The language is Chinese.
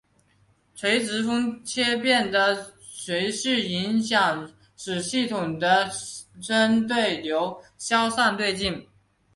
垂直风切变的持续影响使系统的深对流消散殆尽。